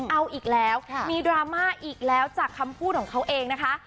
เอาอีกแล้วมีดราม่าอีกแล้วจากคำพูดของเขาเองนะคะ